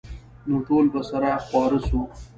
نو ټول به سره خواره سو.